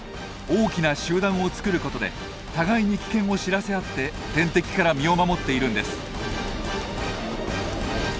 大きな集団を作ることで互いに危険を知らせ合って天敵から身を守っているんです。